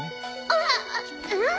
あっうん！